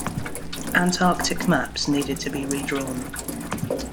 Antarctic maps needed to be redrawn.